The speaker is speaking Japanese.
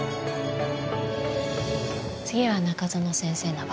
次は中園先生の番。